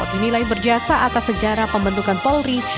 dinilai berjasa atas sejarah pembentukan polri